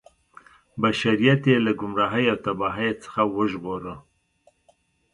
بشریت یې له ګمراهۍ او تباهۍ څخه وژغوره.